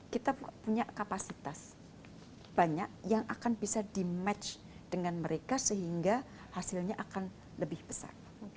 kita punya kapasitas banyak yang akan bisa di match dengan mereka sehingga hasilnya akan lebih besar